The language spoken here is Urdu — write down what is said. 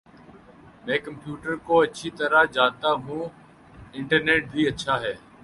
میں کمپیوٹرکو اچھی طرح جانتا ہوں انٹرنیٹ بھی اچھا ہے